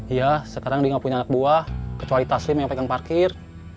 iya sekarang dia nggak punya anak buah kecuali taslim yang pegang parkir